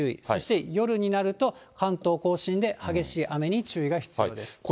そして夜になると、関東甲信で激しい雨に注意が必要です。